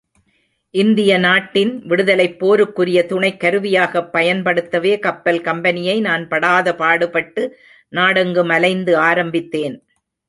இந்திய நாட்டின் விடுதலைப் போருக்குரிய துணைக் கருவியாகப் பயன்படுத்தவே கப்பல் கம்பெனியை நான் படாதபாடுபட்டு நாடெங்கும் அலைந்து ஆரம்பித்தேன்.